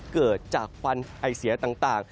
เกิดจากควันไอเสียต่าง